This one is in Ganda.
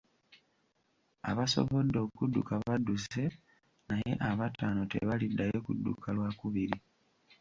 Abasobodde okudduka badduse, naye abataano tebaliddayo kudduka lwa kubiri.